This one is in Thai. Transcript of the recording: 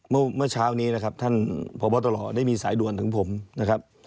เมื่อเช้านี้นะครับท่านพบตรได้มีสายด่วนถึงผมนะครับ